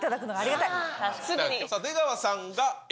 出川さんがＡ。